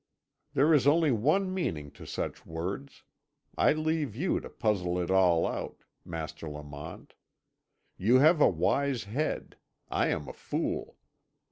There is only one meaning to such words. I leave you to puzzle it all out, Master Lamont. You have a wise head; I am a fool.